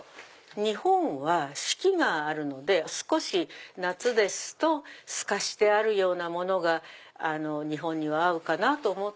日本は四季があるので少し夏ですと透かしてあるようなものが日本には合うかなと思って。